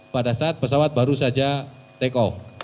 pada saat pesawat baru saja take off